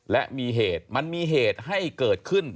และมีเหตุมันมีเหตุให้เกิดขึ้น